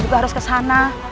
juga harus kesana